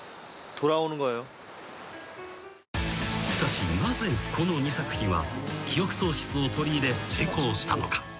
［しかしなぜこの２作品は記憶喪失を取り入れ成功したのか］